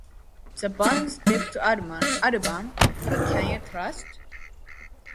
The band's debut album, Who Can You Trust?